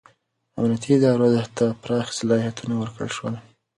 امنیتي ادارو ته پراخ صلاحیتونه ورکړل شول.